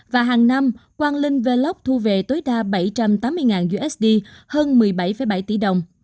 và hàng năm quang linh velox thu về tối đa bảy trăm tám mươi usd hơn một mươi bảy bảy tỷ đồng